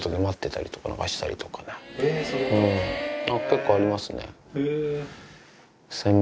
結構ありますね。